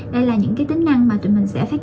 đây là những cái tính năng mà tụi mình sẽ